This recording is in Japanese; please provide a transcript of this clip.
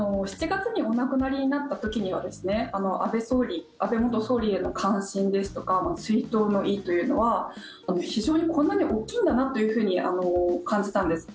７月にお亡くなりになった時には安倍元総理への関心ですとか追悼の意というのは非常にこんなに大きいんだなというふうに感じたんです。